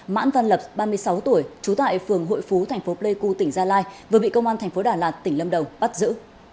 mãn văn lập ba mươi sáu tuổi trú tại phường hội phú thành phố pleiku tỉnh gia lai vừa bị công an thành phố đà lạt tỉnh lâm đồng bắt giữ